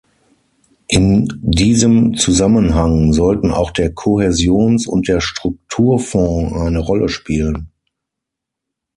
In diesem Zusammenhang sollten auch der Kohäsions- und der Strukturfonds eine Rolle spielen.